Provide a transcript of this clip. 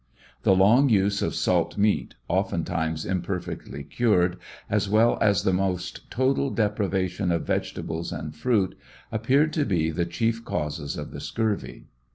The long use of salt meat, oft times imperfectly cured, as well as the most total deprivation of vegetables and fruit, appeared to be the chief causes of the scurvy.